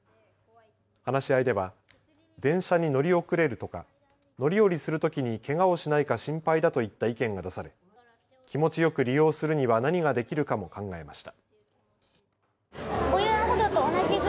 話し合いでは電車に乗り遅れるとか乗り降りするときにけがをしないか心配だといった意見が出され気持ちよく利用するには何ができるかも考えました。